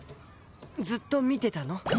ずっと見てたの？